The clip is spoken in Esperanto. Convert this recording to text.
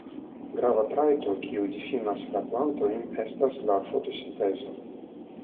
Grava trajto kiu difinas la plantojn estas la fotosintezo.